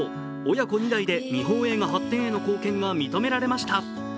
親子二代で日本映画発展への貢献が認められました。